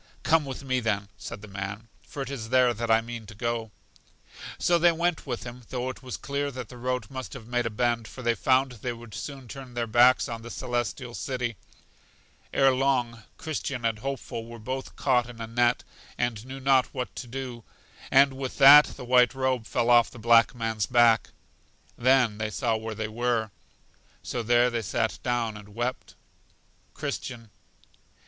Come with me, then, said the man, for it is there that I mean to go. So they went with him, though it was clear that the road must have made a bend, for they found they would soon turn their backs on The Celestial City. Ere long, Christian and Hopeful were both caught in a net, and knew not what to do; and with that the white robe fell off the black man's back. Then they saw where they were. So there they sat down and wept. Christian.